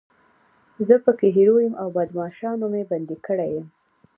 زه پکې هیرو یم او بدماشانو مې بندي کړی یم.